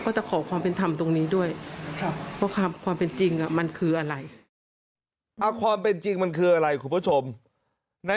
ก็เรียกร้องให้ตำรวจดำเนอคดีให้ถึงที่สุดนะ